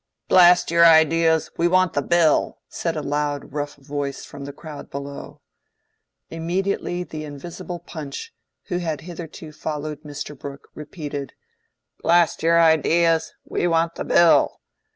"Blast your ideas! we want the Bill," said a loud rough voice from the crowd below. Immediately the invisible Punch, who had hitherto followed Mr. Brooke, repeated, "Blast your ideas! we want the Bill."